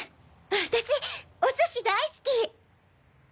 私お寿司大好き！